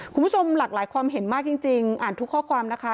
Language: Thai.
คุณผู้ชมหลากหลายความเห็นมากจริงอ่านทุกข้อความนะคะ